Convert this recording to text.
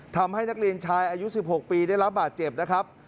ทำให้นักเรียนชายอายุ๑๖ปีได้รับบาดเจ็บนะครับ